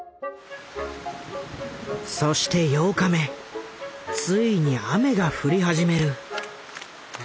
そして８日目ついに雨が降り始める。